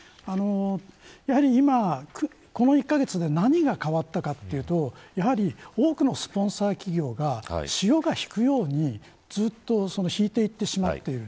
やはり今この１カ月で何が変わったかというと多くのスポンサー企業が潮が引くようにす−っと引いていってしまうという。